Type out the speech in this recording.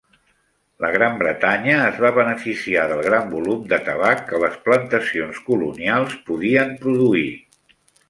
La Gran Bretanya es va beneficiar el gran volum de tabac que les plantacions colonials podien produir.